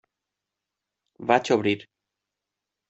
Vaig obrir.